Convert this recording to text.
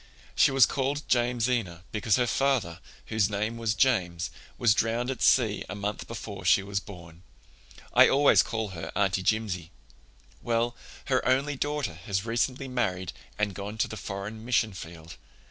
She was called Jamesina because her father, whose name was James, was drowned at sea a month before she was born. I always call her Aunt Jimsie. Well, her only daughter has recently married and gone to the foreign mission field.